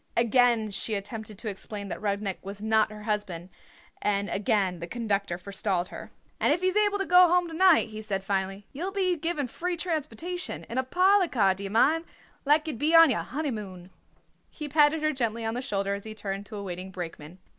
Again she attempted to explain that Rudnik was not her husband, and again the conductor forestalled her. "And if he's able to go home to night," he said finally, "ye'll be given free transportation, in a parlour car d'ye mind, like ye'd be on your honeymoon." He patted her gently on the shoulder as he turned to a waiting brakeman.